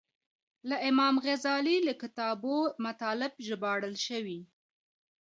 له امام غزالي له کتابو مطالب ژباړل شوي.